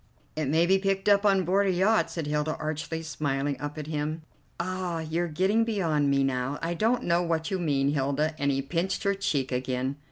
"It may be picked up on board a yacht," said Hilda archly, smiling up at him. "Ah, you're getting beyond me now. I don't know what you mean, Hilda," and he pinched her cheek again.